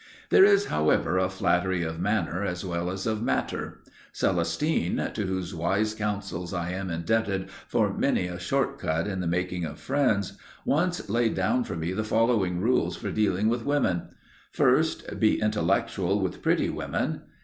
There is, however, a flattery of manner as well as one of matter. Celestine, to whose wise counsels I am indebted for many a short cut in the making of friends, once laid down for me the following rules for dealing with women: First, be intellectual with pretty women.